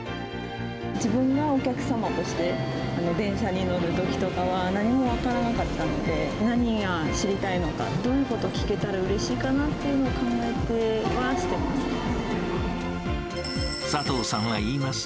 自分がお客様として電車に乗るときとかは、何も分からなかったので、何が知りたいのか、どういうことを聞けたらうれしいかなというのを考えては、してま佐藤さんは言います。